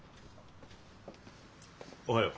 おはよう。